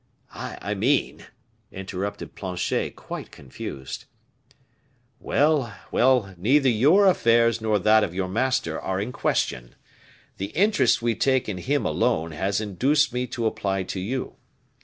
"I mean " interrupted Planchet, quite confused. "Well, well; neither your affairs nor those of your master are in question; the interest we take in him alone has induced me to apply to you.